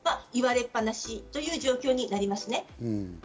言われっ放しという状況になりますね。